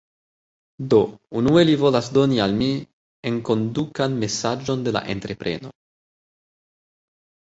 Do, unue li volas doni al mi... enkondukan mesaĝon de la entrepreno.